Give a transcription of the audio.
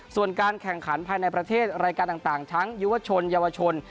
ส่วนการแข่งขันภายในประเทศรายการต่างทั้งยุวชนเยาวชน